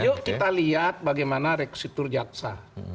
yuk kita lihat bagaimana rekstruktur jaksa